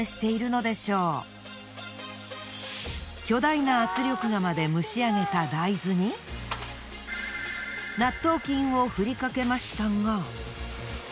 巨大な圧力釜で蒸しあげた大豆に納豆菌をふりかけましたが。